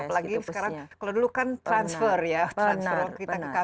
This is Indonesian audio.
apalagi sekarang kalau dulu kan transfer ya